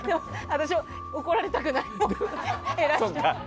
私、怒られたくないので。